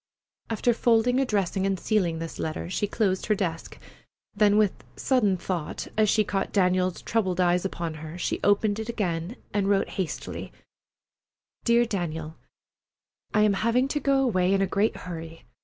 After folding, addressing, and sealing this letter, she closed her desk; then with sudden thought, as she caught Daniel's troubled eyes upon her, she opened it again and wrote hastily: DEAR DANIEL: I am having to go away in a great hurry.